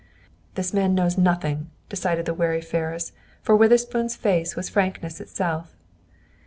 "This man knows nothing," decided the wary Ferris, for Witherspoon's face was frankness itself.